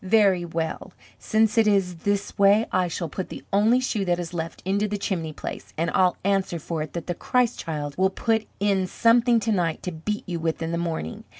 Very well, since it is this way, I shall put the only shoe that is left into the chimney place, and I'll answer for it that the Christ Child will put in something to night to beat you with in the morning!